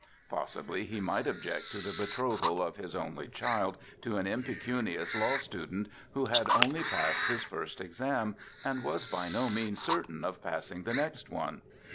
Possibly he might object to the betrothal of his only child to an impecunious law student, who had only passed his first exam, and was by no means certain of passing the next one.